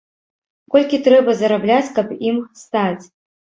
Колькі трэба зарабляць, каб ім стаць?